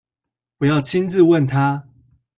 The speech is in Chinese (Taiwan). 我要親自問他